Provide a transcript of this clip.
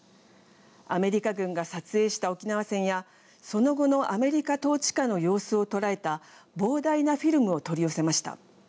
アメリカ軍が撮影した沖縄戦やその後のアメリカ統治下の様子を捉えた膨大なフィルムを取り寄せました。